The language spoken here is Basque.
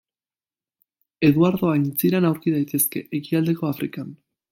Eduardo aintziran aurki daitezke, Ekialdeko Afrikan.